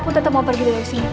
aku tetap mau pergi dari sini